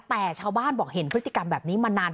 แต่ชาวบ้านบอกเห็นพฤติกรรมแบบนี้มานาน